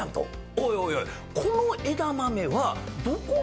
おいおいおい。